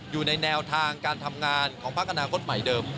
อยู่ในแนวทางการทำงานของพักอนาคตใหม่เดิม